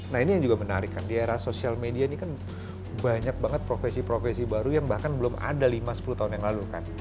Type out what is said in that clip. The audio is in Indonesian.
nah ini yang juga menarik kan di era sosial media ini kan banyak banget profesi profesi baru yang bahkan belum ada lima sepuluh tahun yang lalu kan